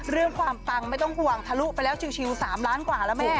เรื่องความปังไม่ต้องห่วงทะลุไปแล้วชิว๓ล้านกว่าแล้วแม่